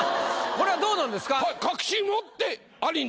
これはどうなんですか？